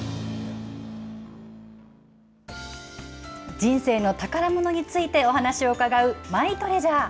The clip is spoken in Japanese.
人生の宝ものについてお話を伺うマイトレジャー。